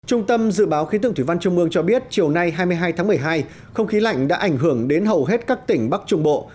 trung tâm dự báo khí tượng thủy văn trung mương cho biết chiều nay hai mươi hai tháng một mươi hai không khí lạnh đã ảnh hưởng đến hầu hết các tỉnh bắc trung bộ